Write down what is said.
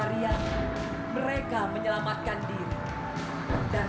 tanpa penghormatan pasukan